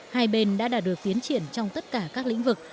hai bên đã đạt được tiến triển trong tất cả các lĩnh vực